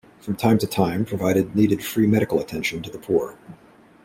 From time to time provided needed free medical attention to the poor.